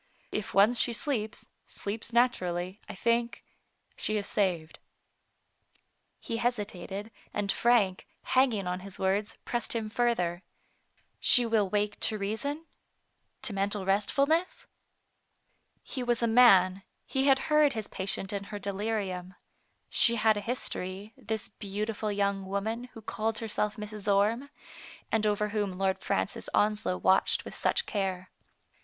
If once she sleeps, sleeps naturally, I think — she is saved. He hesitated, and Frank, hanging on his words, pressed him further. " She will wake to reason — to mental restful ness ?lie >yas a ipan ; he hs^d l|eard his patient ii> Digitized by Google 152 THE FATE OF FENELLA, her delirium. She had a history, this beautiful young woman who called herself Mrs. Orme, and over whom Lord Francis Onslow watched with such care.